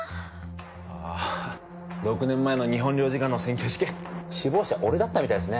ああ６年前の日本領事館の占拠事件首謀者俺だったみたいですね